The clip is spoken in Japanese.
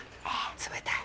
冷たい。